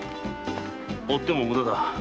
追っても無駄だ。